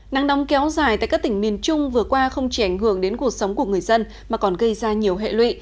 nắng nóng kéo dài tại các tỉnh miền trung vừa qua không chỉ ảnh hưởng đến cuộc sống của người dân mà còn gây ra nhiều hệ lụy